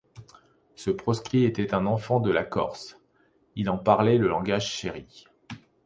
Ce proscrit était un enfant de la Corse, il en parlait le langage chéri!